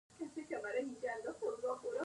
نه د شرم او کمترۍ سبب.